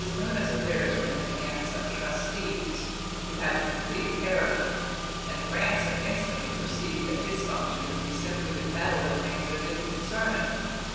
Luna's affairs were in the hands of trustees, who had complete care of them, and Ransom instantly perceived that his function would be simply to meddle in things that didn't concern him.